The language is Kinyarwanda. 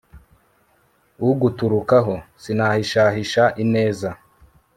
uguturukaho, sinahishahisha ineza